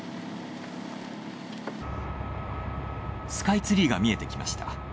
スカイツリーが見えてきました。